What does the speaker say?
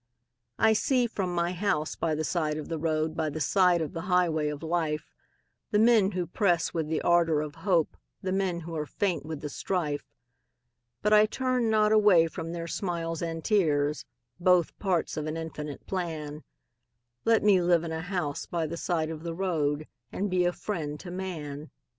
I see from my house by the side of the road By the side of the highway of life, The men who press with the ardor of hope, The men who are faint with the strife, But I turn not away from their smiles and tears, Both parts of an infinite plan Let me live in a house by the side of the road And be a friend to man.